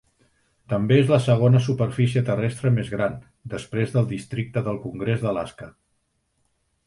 També és la segona superfície terrestre més gran, desprès del districte del congrés d'Alaska.